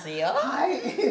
はい。